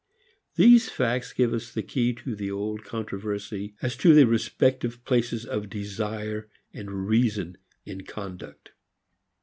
These facts give us the key to the old controversy as to the respective places of desire and reason in conduct.